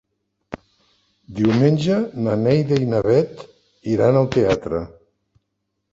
Diumenge na Neida i na Bet iran al teatre.